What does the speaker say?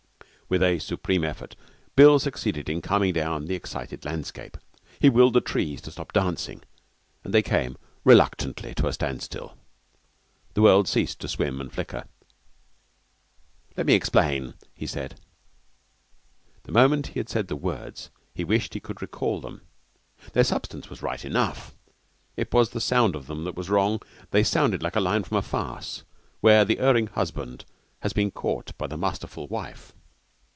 With a supreme effort Bill succeeded in calming down the excited landscape. He willed the trees to stop dancing, and they came reluctantly to a standstill. The world ceased to swim and flicker. 'Let me explain,' he said. The moment he had said the words he wished he could recall them. Their substance was right enough; it was the sound of them that was wrong. They sounded like a line from a farce, where the erring husband has been caught by the masterful wife.